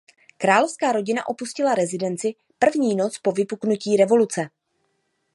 Královská rodina opustila rezidenci první noc po vypuknutí revoluce.